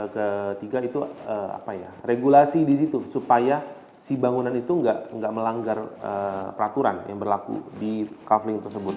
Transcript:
ketiga itu apa ya regulasi di situ supaya si bangunan itu enggak melanggar peraturan yang berlaku di kavling tersebut